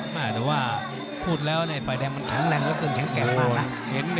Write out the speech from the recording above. แต่ว่าพูดแล้วฝ่ายแดงมันแข็งแรงแล้วเครื่องแข็งแกร่งมากนะ